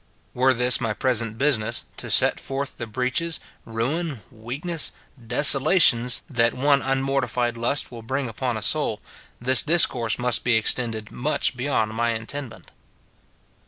Were this my present business, to set forth the breaches, ruin, weakness, desolations, that one unmortified lust will bring upon a soul, this discourse must be extended much beyond my intendment.